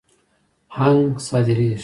هنګ صادریږي.